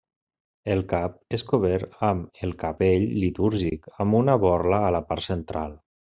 El cap és cobert amb el capell litúrgic, amb una borla a la part central.